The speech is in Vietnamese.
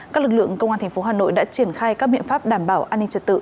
các lực lượng công an tp hà nội đã triển khai các biện pháp đảm bảo an ninh trật tự